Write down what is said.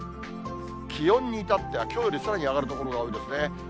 気温にいたってはきょうよりさらに上がる所が多いですね。